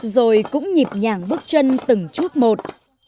rồi cũng nhịp nhàng bước chân từng chút một